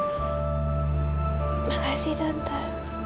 terima kasih tante